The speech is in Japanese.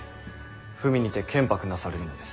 文にて建白なされるのです。